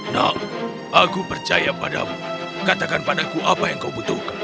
nak aku percaya padamu katakan padaku apa yang kau butuhkan